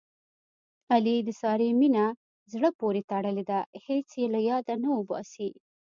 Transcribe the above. علي د سارې مینه زړه پورې تړلې ده. هېڅ یې له یاده نه اوباسي.